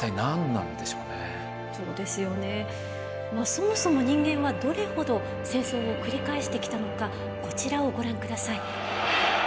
そもそも人間はどれほど戦争を繰り返してきたのかこちらをご覧ください。